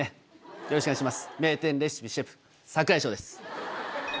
よろしくお願いします。